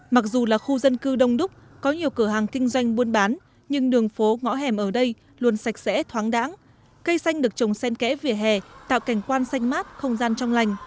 mặc dù là khu dân cư đông đúc có nhiều cửa hàng kinh doanh buôn bán nhưng đường phố ngõ hẻm ở đây luôn sạch sẽ thoáng đáng cây xanh được trồng sen kẽ vỉa hè tạo cảnh quan xanh mát không gian trong lành